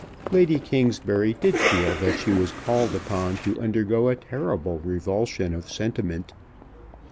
Lady Kingsbury did feel that she was called upon to undergo a terrible revulsion of sentiment.